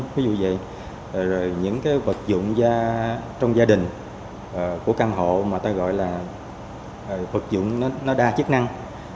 ví dụ vậy rồi những cái vật dụng trong gia đình của căn hộ mà ta gọi là vật dụng nó đa chức năng